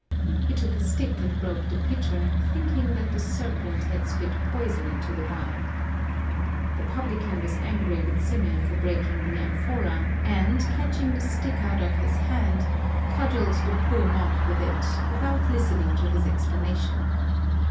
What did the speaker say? He took a stick and broke the pitcher, thinking that the serpent had spit poison into the wine, The publican was angry with Symeon for breaking the amphora, and, catching the stick out of his hand, cudgelled the poor monk with it, without listening to his explanation.